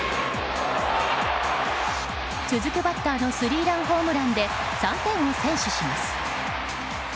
続くバッターのスリーランホームランで３点を先取します。